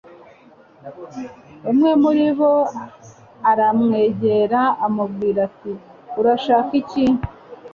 umwe muri bo aramwegera amubwira ati Urashaka iki